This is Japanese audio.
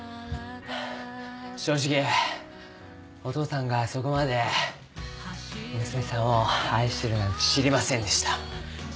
正直お父さんがそこまで娘さんを愛してるなんて知りませんでした。